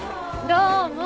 どうも。